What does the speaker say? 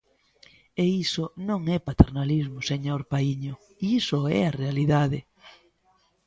E iso non é paternalismo, señor Paíño, iso é a realidade.